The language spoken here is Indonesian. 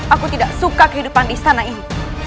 aku tidak suka kehidupan di istana ini